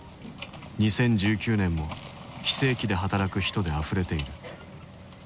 ２０１９年も非正規で働く人であふれている。